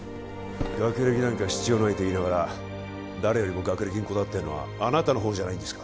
「学歴なんか必要ない」と言いながら誰よりも学歴にこだわってるのはあなたの方じゃないんですか？